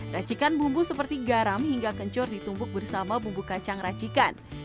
racikan bumbu seperti garam hingga kencur ditumpuk bersama bumbu kacang racikan